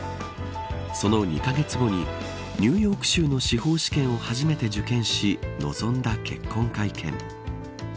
その２カ月後にニューヨーク州の司法試験を初めて受験し臨んだ結婚会見。